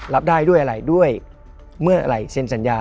รับได้ด้วยอะไรด้วยเมื่อไหร่เซ็นสัญญา